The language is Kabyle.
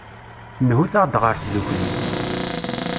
Nhut-aɣ-d ɣer tdukli.